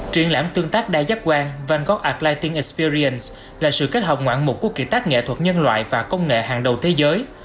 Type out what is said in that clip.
triển lãm tương tác đa giác quan vanogart lighting experiance là sự kết hợp ngoạn mục của kỳ tác nghệ thuật nhân loại và công nghệ hàng đầu thế giới